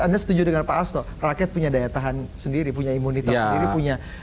anda setuju dengan pak asto rakyat punya daya tahan sendiri punya imunitas sendiri punya